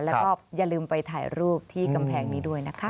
แล้วก็อย่าลืมไปถ่ายรูปที่กำแพงนี้ด้วยนะคะ